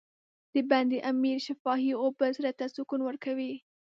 د بند امیر شفافې اوبه زړه ته سکون ورکوي.